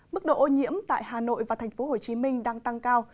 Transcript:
mức độ ô nhiễm tại hà nội và thành phố hồ chí minh đang tăng cao